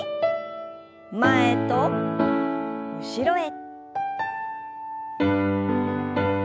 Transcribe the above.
前と後ろへ。